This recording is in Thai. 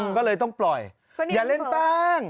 ก็เลยต้องปล่อยอย่าเล่นแป้ง